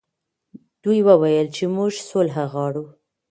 دوی وویل چې موږ سوله غواړو.